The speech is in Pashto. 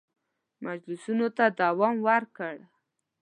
مجلسونو ته دوام ورکړ.